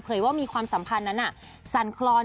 เผยว่ามีความสัมพันธ์นั้นน่ะสันคลอน